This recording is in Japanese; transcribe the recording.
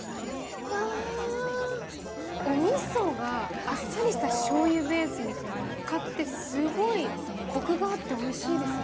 うわ、おみそがあっさりしたしょうゆベースに乗っかって、すごいこくがあっておいしいですね。